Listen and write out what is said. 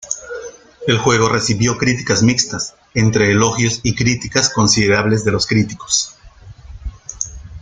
El juego recibió críticas mixtas entre elogios y críticas considerables de los críticos.